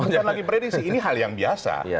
bukan lagi prediksi ini hal yang biasa